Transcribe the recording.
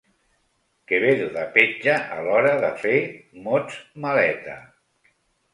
Quevedo de petja a l'hora de fer mots maleta.